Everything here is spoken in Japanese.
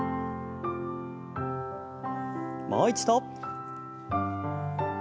もう一度。